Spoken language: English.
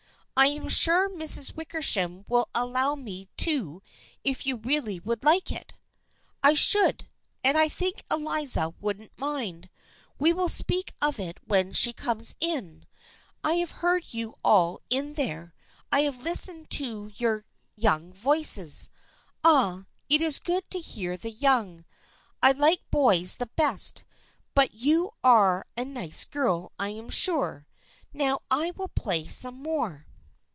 I am sure Miss Wickersham will allow me to if you really would like it." " I should, and I think Eliza won't mind. We will speak of it when she comes in. I have heard you all in there. I have listened to your young voices. Ah, it is good to hear the young. I like boys the best, but you are a nice girl I am sure. Now, I will play some more."